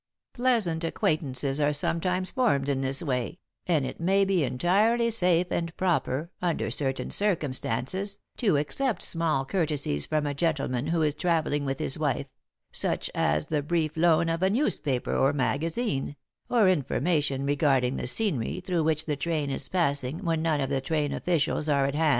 "'Pleasant acquaintances are sometimes formed in this way, and it may be entirely safe and proper, under certain circumstances, to accept small courtesies from a gentleman who is travelling with his wife, such as the brief loan of a newspaper or magazine, or information regarding the scenery through which the train is passing when none of the train officials are at hand.